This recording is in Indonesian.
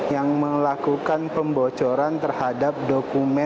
yang melakukan pembocoran terhadap dokumen